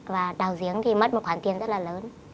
và đào giếng thì mất một khoản tiền rất là lớn